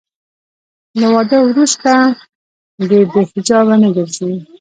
له واده وروسته دې بې حجابه نه ګرځي.